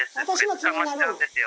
捕まっちゃうんですよ。